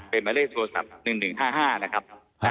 เป็นหมายเลขโทรศัพท์๑๑๕๕นะครับ